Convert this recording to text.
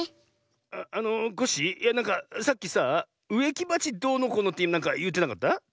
あっあのコッシーいやなんかさっきさあうえきばちどうのこうのってなんかいってなかった？